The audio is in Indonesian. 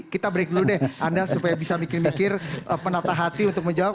kita break dulu deh anda supaya bisa mikir mikir penata hati untuk menjawab